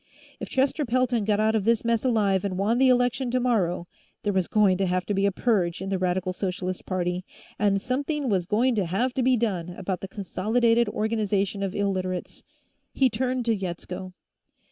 If Chester Pelton got out of this mess alive and won the election tomorrow, there was going to have to be a purge in the Radical Socialist party, and something was going to have to be done about the Consolidated Organization of Illiterates. He turned to Yetsko.